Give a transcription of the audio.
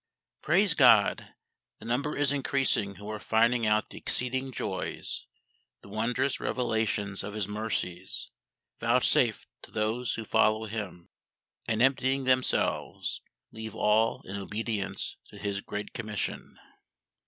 Praise GOD, the number is increasing who are finding out the exceeding joys, the wondrous revelations of His mercies, vouchsafed to those who follow Him, and emptying themselves, leave all in obedience to His great commission.